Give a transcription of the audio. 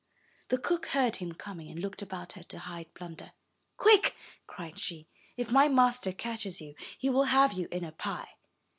The cook heard him coming, and looked about her to hide Blunder. ''Quick!'' cried she. 'If my master catches you, he will have you in a pie.